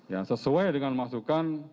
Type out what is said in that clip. ya sesuai dengan masukan